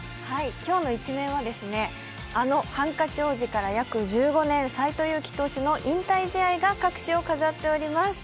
今日の１面はあのハンカチ王子から約１５年、斎藤佑樹投手の引退試合が各紙を飾っております。